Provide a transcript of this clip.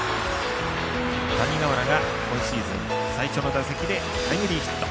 谷川原が今シーズン最初の打席でタイムリーヒット。